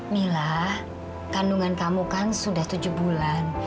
mila kandungan kamu kan sudah tujuh bulan